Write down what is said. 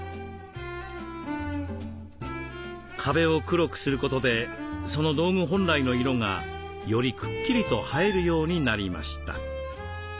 壁を黒くすることでその道具本来の色がよりくっきりと映えるようになりました。